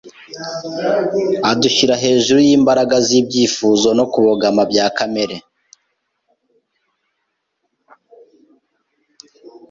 Adushyira hejuru y’imbaraga z’ibyifuzo no kubogama bya kamere,